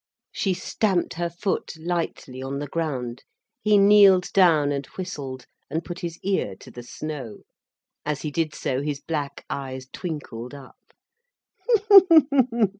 She stamped her foot lightly on the ground. He kneeled down and whistled, and put his ear to the snow. As he did so his black eyes twinkled up.